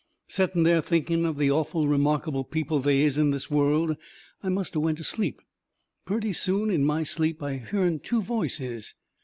Setting there thinking of the awful remarkable people they is in this world I must of went to sleep. Purty soon, in my sleep, I hearn two voices.